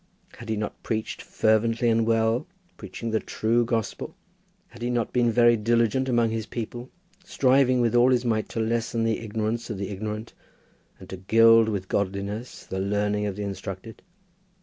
Had he not preached fervently and well, preaching the true gospel? Had he not been very diligent among his people, striving with all his might to lessen the ignorance of the ignorant, and to gild with godliness the learning of the instructed?